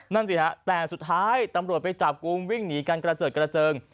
นั่นสิฮะแต่สุดท้ายตำรวจไปจับกลุ่มวิ่งหนีกันกระเจิดกระเจิง